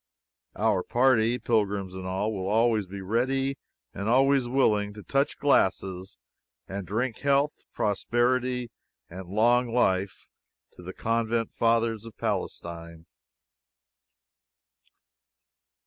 Our party, pilgrims and all, will always be ready and always willing, to touch glasses and drink health, prosperity and long life to the Convent Fathers of Palestine.